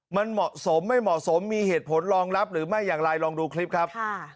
มันเหมาะสมไม่เหมาะสมมีเหตุผลรองรับหรือไม่อย่างไรลองดูคลิปครับ